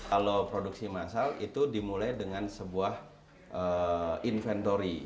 kalau produksi massal itu dimulai dengan sebuah inventory